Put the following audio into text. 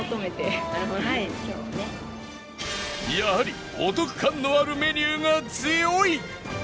やはりお得感のあるメニューが強い！